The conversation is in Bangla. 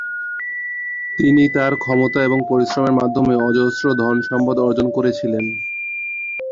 তিনি তার ক্ষমতা এবং পরিশ্রমের মাধ্যমে অজস্র ধন সম্পদ অর্জন করেছিলেন।